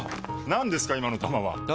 何ですか今の球は！え？